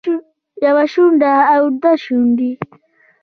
يوه شونډه او دوه شونډې